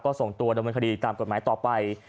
ก็ส่งตัวดำเนินคดีตามกฎหมายต่อไป